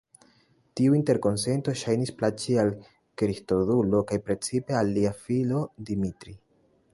Tiu interkonsento ŝajnis plaĉi al Kristodulo, kaj precipe al lia filo Dimitri.